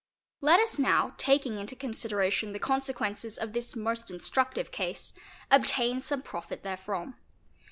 Let us now, taking into consideration the consequences of this most instructive case, obtain some profit therefrom.